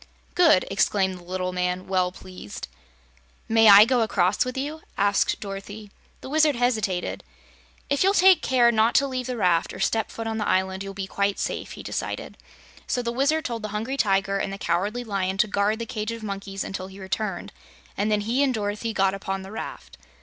"Good!" exclaimed the little man, well pleased. "May I go across with you?" asked Dorothy. The Wizard hesitated. "If you'll take care not to leave the raft or step foot on the island, you'll be quite safe," he decided. So the Wizard told the Hungry Tiger and the Cowardly Lion to guard the cage of monkeys until he returned, and then he and Dorothy got upon the raft.